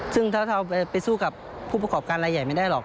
ซึ่งถ้าเราไปสู้กับผู้ประกอบการรายใหญ่ไม่ได้หรอก